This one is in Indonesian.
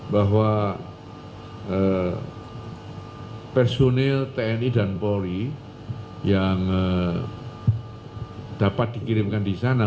bahwa personil tni dan polri yang dapat dikirimkan di sana